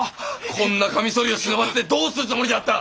こんなかみそりを忍ばせてどうするつもりだった！？